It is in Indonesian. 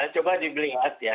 coba dilihat ya